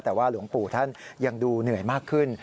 แต่ว่าหลวงปู่ท่านยังดูเหนื่อยมากขึ้น